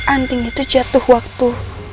anting itu jatuh waktu